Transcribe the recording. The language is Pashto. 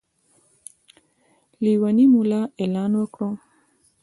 لېونی ملا اعلان وکړ.